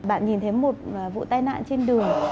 bạn nhìn thấy một vụ tai nạn trên đường